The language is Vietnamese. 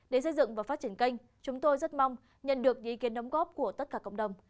để xây dựng và phát triển kênh chúng tôi rất mong nhận được ý kiến đóng góp của tất cả cộng đồng